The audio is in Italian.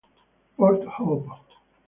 Port Hope